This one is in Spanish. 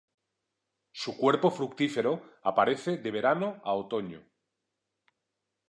Su cuerpo fructífero aparece de verano a otoño.